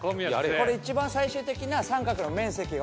これいちばん最終的な三角の面積が。